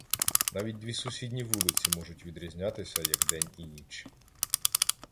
Навіть дві сусідні вулиці можуть відрізнятися як день і ніч